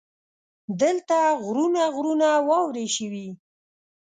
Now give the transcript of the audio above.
دلته غرونه غرونه واورې شوي.